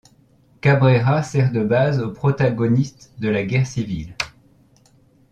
Cabrera sert de base aux protagonistes de la guerre civile.